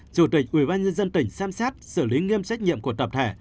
chủ tịch ubnd tỉnh xem xét xử lý nghiêm trách nhiệm của tập thể